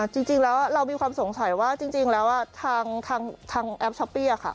จริงแล้วเรามีความสงสัยว่าจริงแล้วทางแอปช้อปปี้ค่ะ